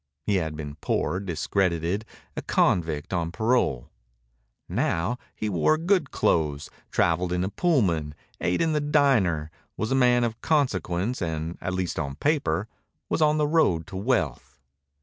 He had been poor, discredited, a convict on parole. Now he wore good clothes, traveled in a Pullman, ate in the diner, was a man of consequence, and, at least on paper, was on the road to wealth.